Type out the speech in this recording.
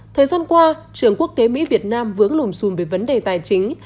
thời gian qua trường quốc tế mỹ việt nam vướng lùm xùm về vấn đề tài chính